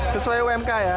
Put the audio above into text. sesuai umk ya